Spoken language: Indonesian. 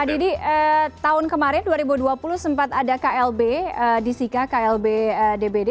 pak didi tahun kemarin dua ribu dua puluh sempat ada klb di sika klb dbd